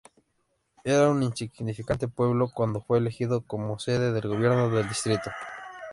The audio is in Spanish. Era un insignificante pueblo cuando fue elegido como sede del gobierno del distrito.